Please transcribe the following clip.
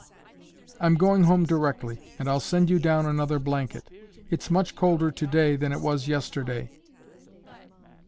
"I'm going home directly, and I'll send you down another blanket. It's much colder to day than it was yesterday."